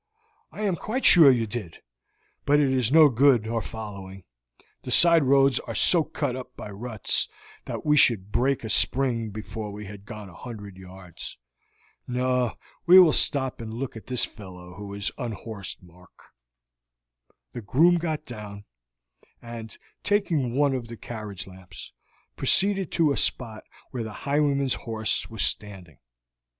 "I am quite sure you did, but it is no good our following; the side roads are so cut up by ruts that we should break a spring before we had gone a hundred yards. No, we will stop and look at this fellow who is unhorsed, Mark." The groom got down, and, taking one of the carriage lamps, proceeded to a spot where the highwayman's horse was standing.